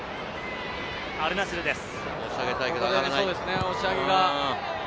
アルナスルです。